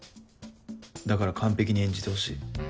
だから完璧に演じてほしい。